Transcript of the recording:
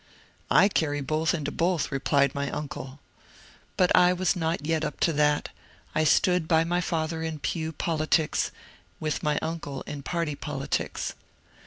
" I carry both into both," replied my uncle. But I was not yet up to that ; I stood by my father in pew politics, with my uncle in party politics.